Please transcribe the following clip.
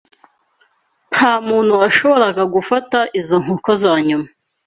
Ntamuntu washoboraga gufata izo nkoko zanyuma